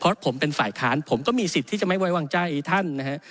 เพราะผมเป็นฝ่ายค้านผมก็มีสิทธิ์ที่จะไม่ไว้วางใจท่านนะฮะ